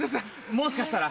もしかしたら。